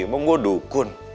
emang gue dukun